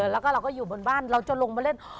แล้วก็เราก็อยู่บนบ้านเราจะลงมาเล่น